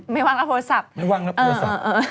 ไม่ว่างแล้วโทรศัพท์ไม่ว่างแล้วโทรศัพท์